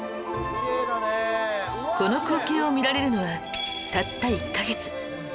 この光景を見られるのはたった１カ月